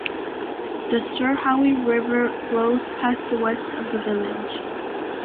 The Sirhowy River flows past the west of the village.